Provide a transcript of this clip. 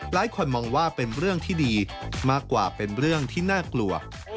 หลายคนมองว่าเป็นเรื่องที่ดีมากกว่าเป็นเรื่องที่น่ากลัว